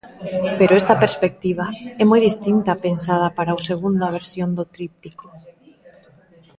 Pero esta perspectiva é moi distinta a pensada para a segunda versión do tríptico.